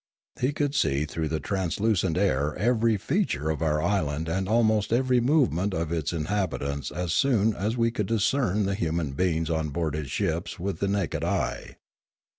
He could see through the trans lucent air every feature of our island and almost every movement of its inhabitants as soon as we could dis cern the human beings on board his ships with the naked eye.